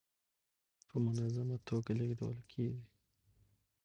په منظمه ټوګه لېږدول کيږي.